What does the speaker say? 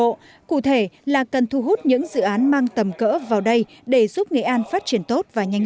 bộ cụ thể là cần thu hút những dự án mang tầm cỡ vào đây để giúp nghệ an phát triển tốt và nhanh